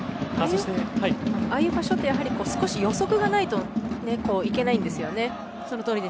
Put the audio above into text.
ああいう場所って予測がないと行けないんですよね。